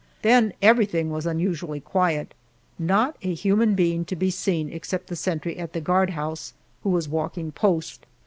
Then everything was unusually quiet; not a human being to be seen except the sentry at the guardhouse, who was walking post.